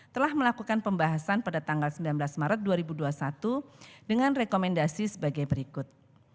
telah melakukan pembahasan pada tanggal sembilan belas maret dua ribu dua puluh satu dengan rekomendasi sebagai berikut